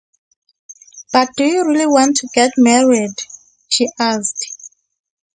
“But do you really want to get married?” she asked.